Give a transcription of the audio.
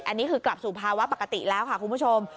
อันนี้คือกลับสู่ภาวะปกติแล้วค่ะคุณผู้ชม